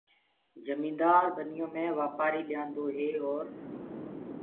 جميندآر ٻنيو مي وآپآري ليآندوئي اور